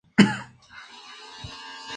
Muchas especies se consideran como mascotas.